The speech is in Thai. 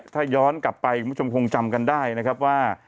ถ้าย้อนกลับไปคุณผู้ชมคงจำกันได้นะครับว่า